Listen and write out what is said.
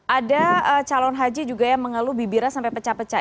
ada calon haji juga yang mengeluh bibirnya sampai pecah pecah